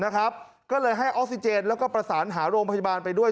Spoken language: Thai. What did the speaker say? ก็เลยให้ออกซิเจนแล้วก็ประสานหาโรงพยาบาลไปด้วย